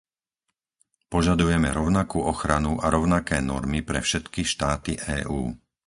Požadujeme rovnakú ochranu a rovnaké normy pre všetky štáty EÚ.